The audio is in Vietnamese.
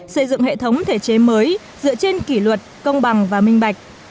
xây dựng hệ thống thể chế mới dựa trên kỷ luật công bằng và minh bạch